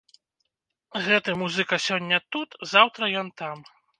Гэты музыка сёння тут, заўтра ён там.